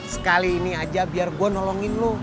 sekali ini aja biar gue nolongin lu